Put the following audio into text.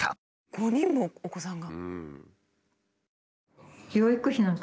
５人もお子さんが。